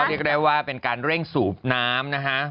เรียกได้ว่าเป็นการเร่งสูบน้ำนะฮะ